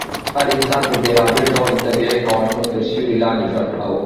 هر انسان په بېل ډول د طبيعي قوانينو تر سيوري لاندي ژوند کاوه